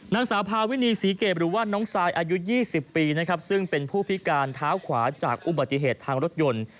นางสาวพาวินีศรีเกตหรือว่าน้องซายอายุ๒๐ปีนะครับซึ่งเป็นผู้พิการเท้าขวาจากอุบัติเหตุทางรถยนต์